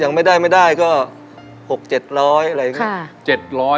ยังไม่ได้ไม่ได้ก็๖๗๐๐อะไรอย่างนี้